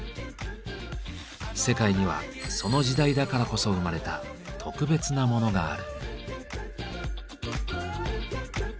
世界にはその時代だからこそ生まれた特別なモノがある。